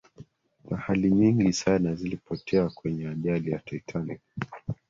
mahali nyingi sana zilipotea kwenye ajali ya titanic